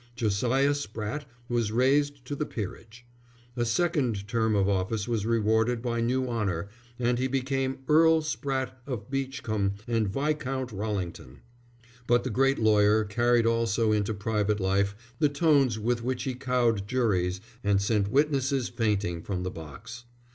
Josiah Spratte was raised to the Peerage. A second term of office was rewarded by new honour, and he became Earl Spratte of Beachcombe and Viscount Rallington. But the great lawyer carried also into private life the tones with which he cowed juries and sent witnesses fainting from the box.